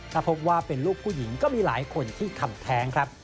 ถ้าพบว่าเป็นลูกผู้หญิงก็มีหลายคนที่ทำแท้งครับ